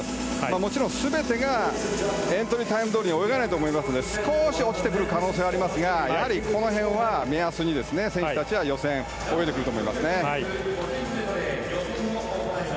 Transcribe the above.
もちろん全てがエントリータイムどおりに泳がないと思いますので、少し落ちてくる可能性はありますがやはり、この辺を目安に選手たちは予選を泳いでくると思いますね。